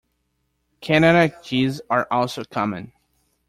Canada geese are also common.